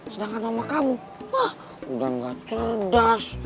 sedangkan mama kamu udah gak cerdas